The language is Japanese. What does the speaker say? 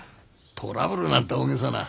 トラブルなんて大げさな。